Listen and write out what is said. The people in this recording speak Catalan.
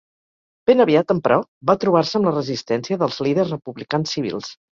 Ben aviat, emperò, va trobar-se amb la resistència dels líders republicans civils.